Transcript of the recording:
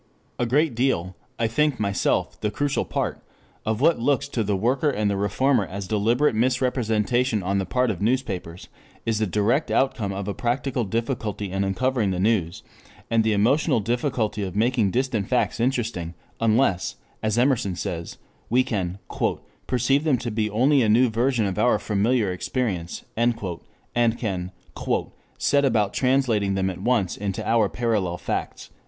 A great deal, I think myself the crucial part, of what looks to the worker and the reformer as deliberate misrepresentation on the part of newspapers, is the direct outcome of a practical difficulty in uncovering the news, and the emotional difficulty of making distant facts interesting unless, as Emerson says, we can "perceive (them) to be only a new version of our familiar experience" and can "set about translating (them) at once into our parallel facts."